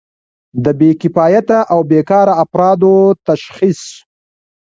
د بې کفایته او بیکاره افرادو تشخیص.